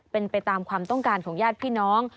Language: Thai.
เป็นไปตามความต้องการของญาติพี่น้อง